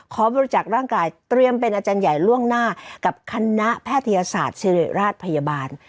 บริจักษ์ร่างกายเตรียมเป็นอาจารย์ใหญ่ล่วงหน้ากับคณะแพทยศาสตร์ศิริราชพยาบาล